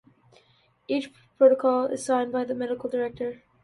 Each protocol is signed by the medical director.